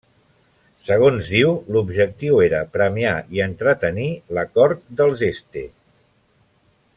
Segons diu, l'objectiu era premiar i entretenir la cort dels Este.